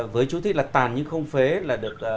với chú thích là tàn nhưng không phế là được